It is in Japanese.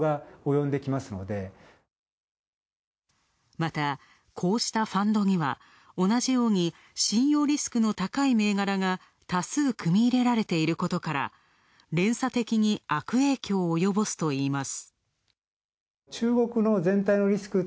また、こうしたファンドには同じように信用リスクの高い銘柄が多数組み入れられていることから連鎖的に悪影響を及ぼすといいます。